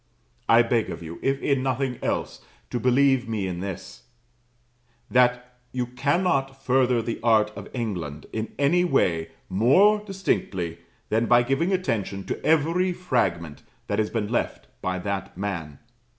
I beg of you, if in nothing else, to believe me in this, that you cannot further the art of England in any way more distinctly than by giving attention to every fragment that has been left by that man.